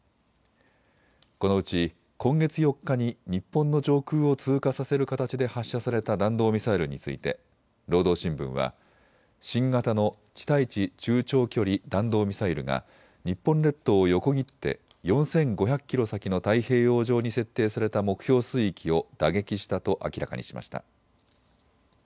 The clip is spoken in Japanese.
このうち今月４日に日本の上空を通過させる形で発射された弾道ミサイルについて、労働新聞は新型の地対地中長距離弾道ミサイルが日本列島を横切って４５００キロ先の太平洋上に設定された目標水域を打撃したと明らかにしました。